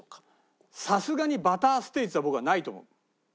さすがにバターステイツは僕はないと思う。